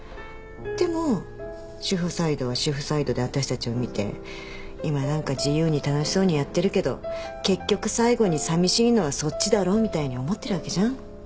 でも主婦サイドは主婦サイドで私たちを見て今何か自由に楽しそうにやってるけど結局最後にさみしいのはそっちだろみたいに思ってるわけじゃん。